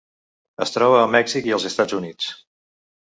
Es troba a Mèxic i als Estats Units.